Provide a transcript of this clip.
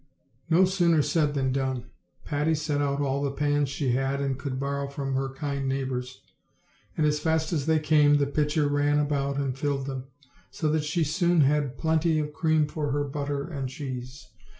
No sooner said than done. Patty set out all the pans she had and could borrow from her kind neighbors; and, as fast as they came, the pitcher ran about and filled them; so that she soon had plenty of cream for her but ter and cheese.